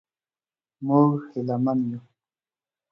موږ هیله من یو.